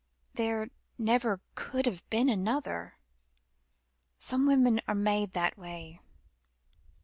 There never could have been another. Some women are made that way.